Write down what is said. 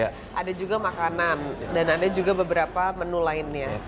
ada juga makanan dan ada juga beberapa menu lainnya